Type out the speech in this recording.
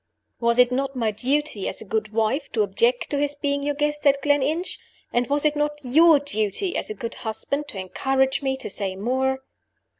Was it not my duty, as a good wife, to object to his being your guest at Gleninch? And was it not your duty, as a good husband, to encourage me to say more?